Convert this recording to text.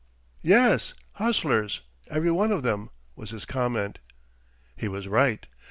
"Yes, hustlers, every one of them," was his comment. He was right.